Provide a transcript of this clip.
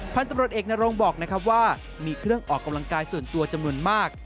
พันธุ์ตำรวจเอกนรงบอกนะครับว่ามีเครื่องออกกำลังกายส่วนตัวจำนวนมาก